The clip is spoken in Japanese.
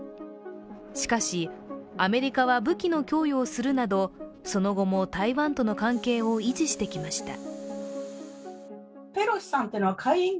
しかし、アメリカは武器の供与をするなどその後も、台湾との関係を維持してきました。